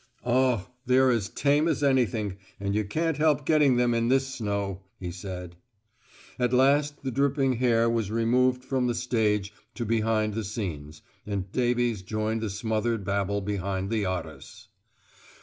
"Oh! they're as tame as anything, and you can't help getting them in this snow," he said. At last the dripping hare was removed from the stage to behind the scenes, and Davies joined the smothered babel behind the arras.